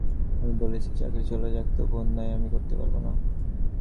আমি বলেছি, চাকরি চলে যাক, তবু অন্যায় আমি করতে পারব না।